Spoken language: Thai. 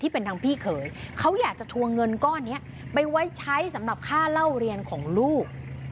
เป็นทางพี่เขยเขาอยากจะทวงเงินก้อนนี้ไปไว้ใช้สำหรับค่าเล่าเรียนของลูก